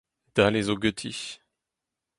Dale zo ganti.